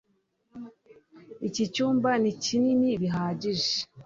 Iki cyumba ni kinini bihagije